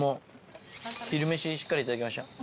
昼メシしっかりいただきました。